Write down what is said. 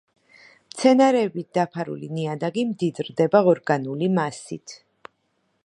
მცენარეებით დაფარული ნიადაგი მდიდრდება ორგანული მასით.